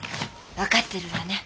分かってるらね。